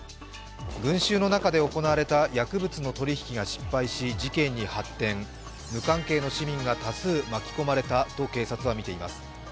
群衆の中で行われた薬物の取り引きが失敗し事件に発展、無関係の市民が多数巻き込まれたと警察はみています。